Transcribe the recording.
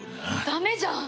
ダメじゃん！